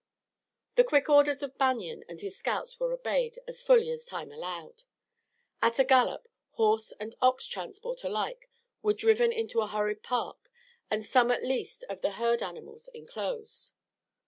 The quick orders of Banion and his scouts were obeyed as fully as time allowed. At a gallop, horse and ox transport alike were driven into a hurried park and some at least of the herd animals inclosed.